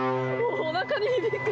おなかに響く。